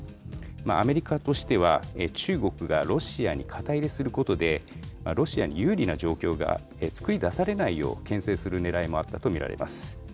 アメリカとしては、中国がロシアに肩入れすることで、ロシアに有利な状況が作り出されないよう、けん制するねらいもあったと見られます。